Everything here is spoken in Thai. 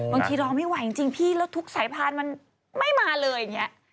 บางทีรอไม่ไหวจริงพี่แล้วทุกสายพานมันไม่มาเลยอย่างนี้